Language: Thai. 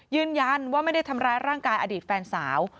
ยืนยันว่าไม่ได้ทำร้ายร่างกายอดีตแฟนสาว